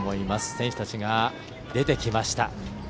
選手たちが出てきました。